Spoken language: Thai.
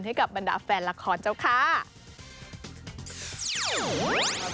ให้กับแบรนดาวน์แฟนละครเจ้าค้า